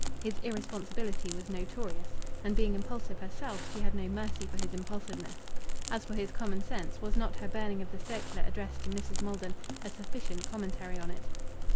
His irresponsibility was notorious. And, being impulsive herself, she had no mercy for his impulsiveness. As for his commonsense, was not her burning of the circular addressed to Mrs. Maldon a sufficient commentary on it?